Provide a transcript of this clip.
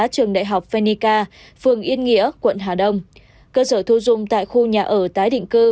trường đại học phenica phường yên nghĩa quận hà đông cơ sở thu dung tại khu nhà ở tái định cư